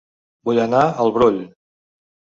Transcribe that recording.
Vull anar a El Brull